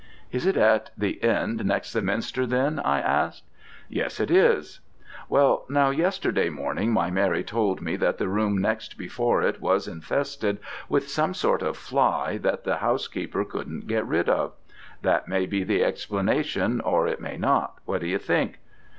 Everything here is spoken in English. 'Is it at the end next the minster, then?' I asked. 'Yes, it is: well, now, yesterday morning my Mary told me that the room next before it was infested with some sort of fly that the housekeeper couldn't get rid of. That may be the explanation, or it may not. What do you think?'